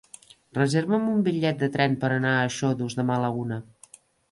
Reserva'm un bitllet de tren per anar a Xodos demà a la una.